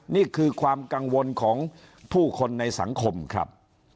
นี่คือความกังวลของผู้คนในสังคมครับ